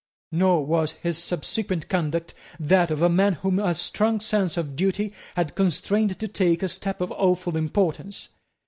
Nor was his subsequent conduct that of a man whom a strong sense of duty had constrained to take a step of awful importance.